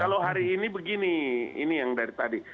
kalau hari ini begini ini yang dari tadi